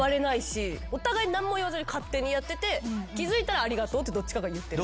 お互い何も言わずに勝手にやってて気付いたらありがとうってどっちかが言ってる。